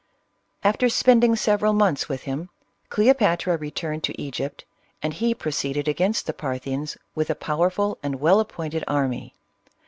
After spending several months with him, Cleopatra returned to Egypt, and he proceeded against the Par thians with a powerful and well appointed ann}r.